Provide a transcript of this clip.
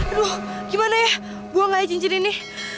aduh gimana ya buang aja cincin ini